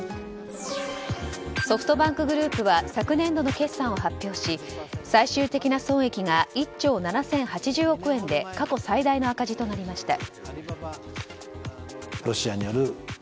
ソフトバンクグループは昨年度の決算を発表し最終的な損益が１兆７０８０億円で過去最大の赤字となりました。